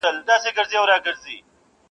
د هر چا عیب ته یې دوې سترګي نیولي -